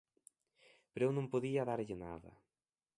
Pero eu non podía darlle nada.